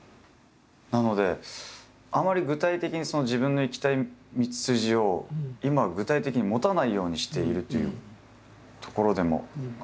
なのであまり具体的に自分の行きたい道筋を今具体的に持たないようにしているというところでもあるんですけれども。